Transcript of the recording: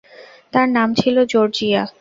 তার নাম ছিলো জর্জিয়া।